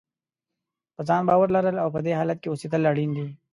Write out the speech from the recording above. په ځان باور لرل او په دې حالت کې اوسېدل اړین دي.